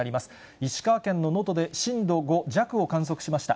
石川県の能登で震度５弱を観測しました。